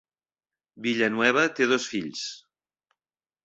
Villanueva té dos fills.